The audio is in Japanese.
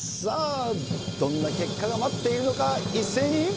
さあ、どんな結果が待っているのか、一斉に。